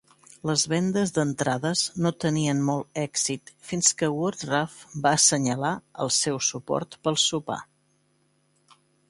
Les vendes d'entrades no tenien molt èxit, fins que Woodruff va assenyalar el seu suport pel sopar.